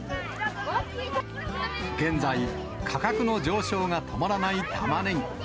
現在、価格の上昇が止まらないタマネギ。